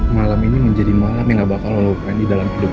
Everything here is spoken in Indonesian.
malam ini menjadi malam yang nggak bakal lo lupain di dalam hidup